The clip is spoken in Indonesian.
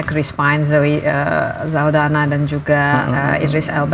chris pine zawid zaldana dan juga idris elba